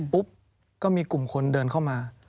ปุ๊บก็มีกลุ่มคนเดินเข้ามา